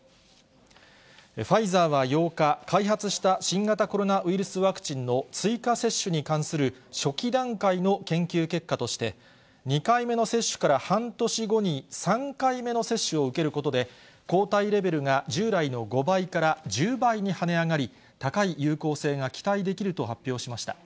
ファイザーは８日、開発した新型コロナウイルスワクチンの追加接種に関する初期段階の研究結果として、２回目の接種から半年後に３回目の接種を受けることで、抗体レベルが従来の５倍から１０倍に跳ね上がり、高い有効性が期待できると発表しました。